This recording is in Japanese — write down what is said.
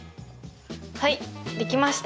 はいできました！